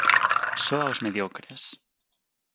Só aos mediocres.